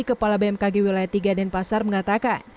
kepala bmkg wilayah tiga denpasar mengatakan